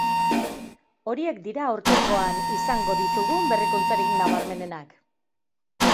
Horiek dira aurtengoan izango ditugun berrikuntzarik nabarmenenak.